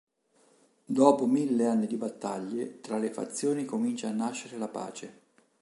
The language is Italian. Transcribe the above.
Dopo mille anni di battaglie, tra le fazioni comincia a nascere la pace.